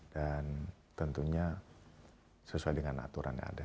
tentunya sesuai dengan aturan yang ada